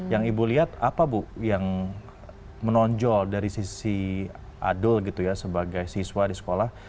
yang ibu lihat apa bu yang menonjol dari sisi adul gitu ya sebagai siswa di sekolah